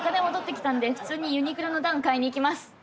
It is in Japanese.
戻ってきたんで普通にユニクロのダウン買いに行きます。